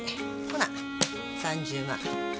ほな３０万。